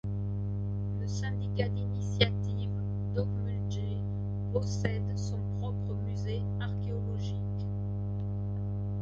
Le syndicat d’initiatives d'Ocmulgee possède son propre musée archéologique.